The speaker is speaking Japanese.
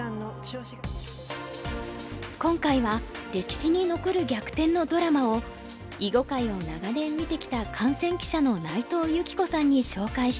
今回は歴史に残る逆転のドラマを囲碁界を長年見てきた観戦記者の内藤由起子さんに紹介して頂く。